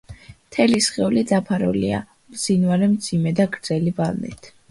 მთელი სხეული დაფარულია მბზინვარე, მძიმე და გრძელი ბალნით.